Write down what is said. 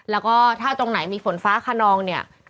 แล้วก็ถ้าตรงไหนมีฝนฟ้าขนองเนี่ย